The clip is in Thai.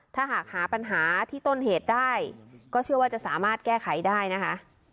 ถ้าหากหาปัญหาที่ต้นเหตุได้ก็เชื่อว่าจะสามารถแก้ไขได้นะคะ